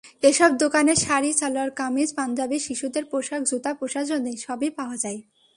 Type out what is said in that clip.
এসব দোকানে শাড়ি, সালোয়ার-কামিজ, পাঞ্জাবি, শিশুদের পোশাক, জুতা, প্রসাধনী—সবই পাওয়া যায়।